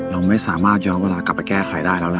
เราไม่สามารถย้อนเวลากลับไปแก้ไขได้แล้วล่ะ